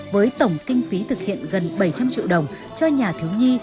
với tổng kinh phí thực hiện gần bảy trăm linh triệu đồng cho nhà thiếu nhi